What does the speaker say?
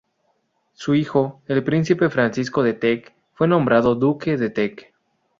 Su hijo, el príncipe Francisco de Teck fue nombrado duque de Teck.